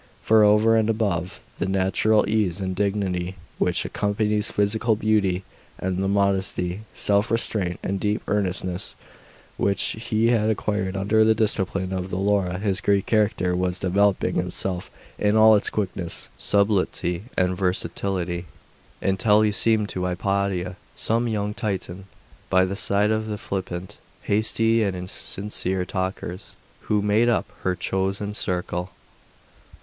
For over and above the natural ease and dignity which accompanies physical beauty, and the modesty, self restraint, and deep earnestness which he had acquired under the discipline of the Laura, his Greek character was developing itself in all its quickness, subtlety, and versatility, until he seemed to Hypatia some young Titan, by the side of the flippant, hasty, and insincere talkers who made up her chosen circle.